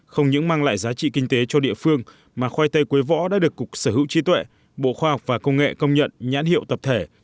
không những mang lại giá trị kinh tế cho địa phương mà khoai tây quế võ đã được cục sở hữu trí tuệ bộ khoa học và công nghệ công nhận nhãn hiệu tập thể